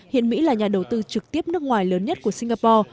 hiện mỹ là nhà đầu tư trực tiếp nước ngoài lớn nhất của singapore